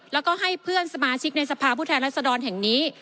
แล้วก็ให้เพื่อนสมาชิกในสภาพผู้แทนรัศดรแห่งนี้